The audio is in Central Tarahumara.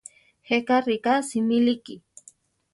Jéka riká simíliki.